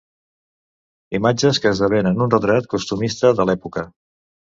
Imatges que esdevenen un retrat costumista de l'època.